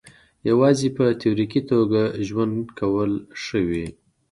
یوازې په تیوریکي توګه ژوند کول ښه وي.